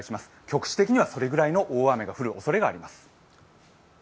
局地的にはそれぐらいの大雨が降るおそれがあります。